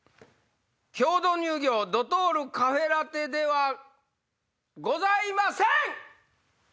協同乳業ドトールカフェラテではございません！